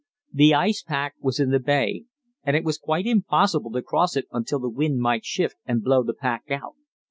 The ice pack was in the bay, and it was quite impossible to cross it until the wind might shift and blow the pack out.